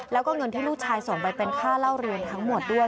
แล้วก็เงินที่ลูกชายส่งไปเป็นค่าเล่าเรียนทั้งหมดด้วย